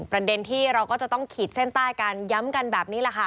ประเด็นที่เราก็จะต้องขีดเส้นใต้กันย้ำกันแบบนี้แหละค่ะ